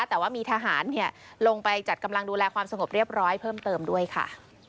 แต่ว่ามีทหารลงไปจัดกำลังดูแลความสงบเรียบร้อยเพิ่มเติมด้วยค่ะ